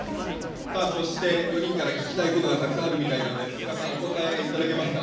そして４人から聞きたいことがたくさんあるみたいなのでスガさんお答えいただけますか？